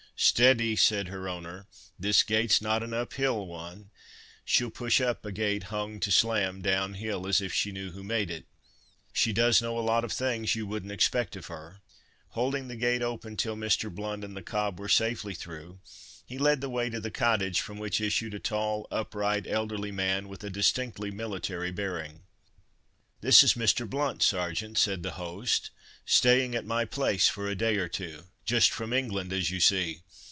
"Steady!" said her owner—"this gate's not an uphill one—she'll push up a gate hung to slam down hill as if she knew who made it. She does know a lot of things you wouldn't expect of her." Holding the gate open till Mr. Blount and the cob were safely through, he led the way to the cottage, from which issued a tall, upright, elderly man, with a distinctly military bearing. "This is Mr. Blount, Sergeant," said the host, "staying at my place for a day or two—just from England, as you see!